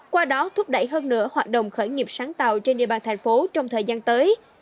qua đó thúc đẩy hơn nửa hoạt động khởi nghiệp sáng tạo trên địa bàn thành phố trong thời gian tới